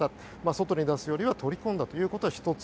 外に出すよりは取り込んだということが１つ。